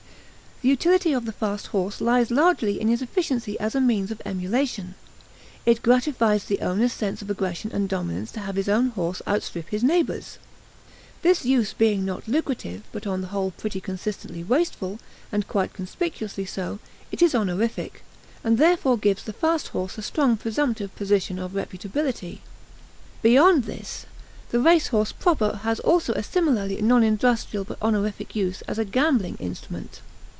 The utility of the fast horse lies largely in his efficiency as a means of emulation; it gratifies the owner's sense of aggression and dominance to have his own horse outstrip his neighbor's. This use being not lucrative, but on the whole pretty consistently wasteful, and quite conspicuously so, it is honorific, and therefore gives the fast horse a strong presumptive position of reputability. Beyond this, the race horse proper has also a similarly non industrial but honorific use as a gambling instrument.